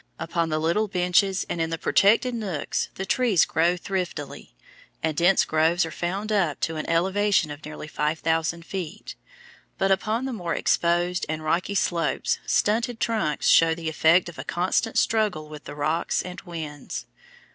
Upon the little benches and in the protected nooks the trees grow thriftily, and dense groves are found up to an elevation of nearly five thousand feet; but upon the more exposed and rocky slopes stunted trunks show the effect of a constant struggle with the rocks and winds.